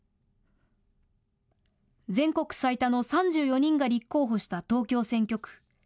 全国最多の３４人が立候補した東京選挙区。